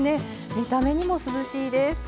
見た目にも涼しいです。